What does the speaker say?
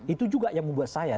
itu juga yang membuat saya